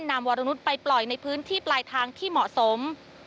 วรนุษย์ไปปล่อยในพื้นที่ปลายทางที่เหมาะสม